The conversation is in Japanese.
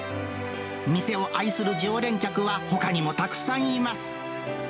店を愛する常連客は、ほかにもたくさんいます。